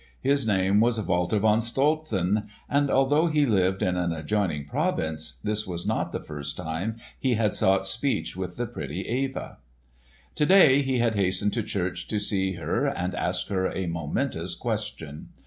His name was Walter von Stolzen, and although he lived in an adjoining province, this was not the first time he had sought speech with the pretty Eva. To day he had hastened to church to see her and ask her a momentous question.